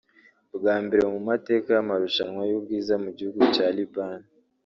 Bwa mbere mu mateka y’amarushanwa y’ubwiza mu gihugu cya Libani